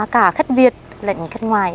cả khất việt lệnh khất ngoài